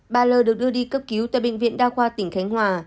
bà l được đưa đi cấp cứu tại bệnh viện đa khoa tỉnh khánh hòa